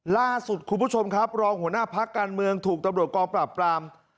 ล่าสุดคุณผู้ชมครับรองหัวหน้าพักการเมืองถูกตำรวจกองปราบปราม